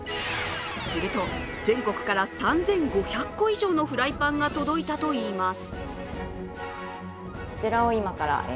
すると全国から３５００個以上のフライパンが届いたといいます。